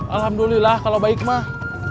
alhamdulillah kalau baik mah